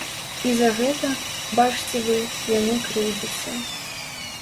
І за гэта, бачце вы, яны крыўдзяцца.